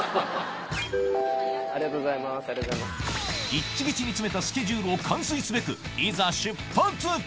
ぎっちぎちに詰めたスケジュールを完遂すべくいざ出発！